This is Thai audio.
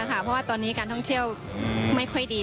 เพราะว่าตอนนี้การท่องเที่ยวไม่ค่อยดี